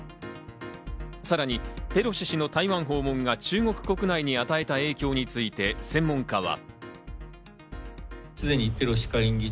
さらにペロシ氏の台湾訪問が中国国内に与えた影響について、専門家は。